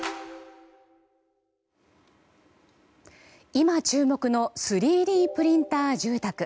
今、注目の３Ｄプリンター住宅。